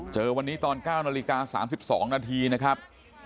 เจอวันนี้ตอน๙นาฬิกา๓๒นาทีนะครับ